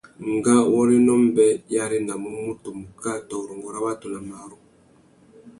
Ngawôrénô mbê i arénamú mutu muká tô urrôngô râ watu nà marru.